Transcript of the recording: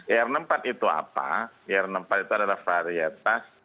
ir enam puluh empat itu apa ir enam puluh empat itu adalah varietas